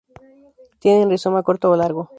Tienen rizoma corto o largo.